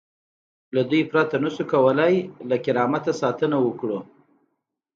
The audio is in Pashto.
له دوی پرته نشو کولای له کرامت ساتنه وکړو.